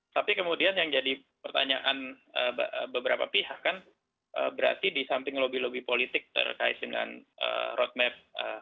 tapi kemudian yang jadi pertanyaan beberapa pihak kan berarti di samping lobby lobby politik terkait dengan roadmap